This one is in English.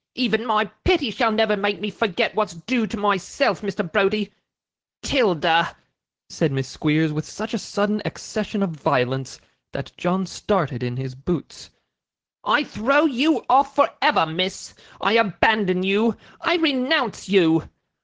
Even my pity shall never make me forget what's due to myself, Mr. Browdie. 'Tilda,' said Miss Squeers, with such a sudden accession of violence that John started in his boots, 'I throw you off for ever, miss. I abandon you. I renounce you.